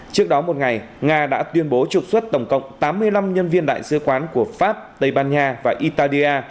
trước đó một ngày nga đã tuyên bố trục xuất tổng cộng tám mươi năm nhân viên đại sứ quán của pháp tây ban nha và italia